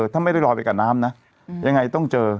ถ้าไม่ได้ลอยไปกับน้ำนะยังไงต้องเจอ